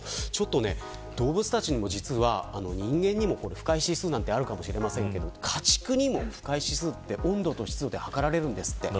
動物たちにも、人間にも不快指数があるかもしれませんが家畜にも不快指数が温度と湿度で測られます。